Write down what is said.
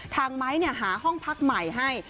ไม้หาห้องพักใหม่ให้